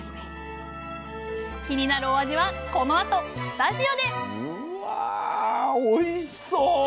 気になるお味はこのあとスタジオでうわおいしそう！